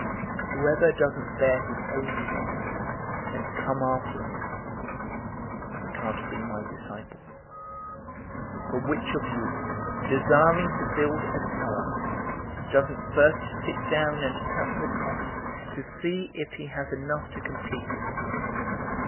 014:027 Whoever doesn't bear his own cross, and come after me, can't be my disciple. 014:028 For which of you, desiring to build a tower, doesn't first sit down and count the cost, to see if he has enough to complete it?